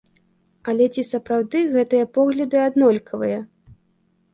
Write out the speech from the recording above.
Але ці сапраўды гэтыя погляды аднолькавыя?